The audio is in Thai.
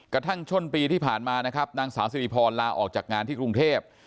กระทั่งต้นปีที่ผ่านมานะครับนางสาวสิริพรลาออกจากงานที่กรุงเทพ